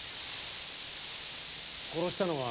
殺したのは。